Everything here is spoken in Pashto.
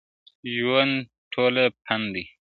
ژوند ټوله پند دی.